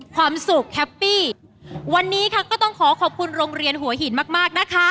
ความสุขแฮปปี้วันนี้ค่ะก็ต้องขอขอบคุณโรงเรียนหัวหินมากมากนะคะ